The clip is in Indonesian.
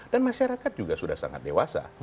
dan masyarakat juga sudah sangat dewasa